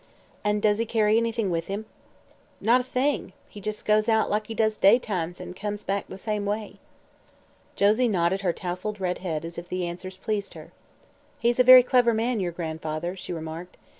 "And does he carry anything with him?" "Not a thing. He jes' goes out like he does daytimes, an' comes back the same way." Josie nodded her tousled red head, as if the answers pleased her. "He's a very clever man, your grandfather," she remarked.